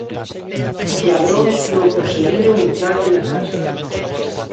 Os ladróns non conseguiron entrarlle na casa.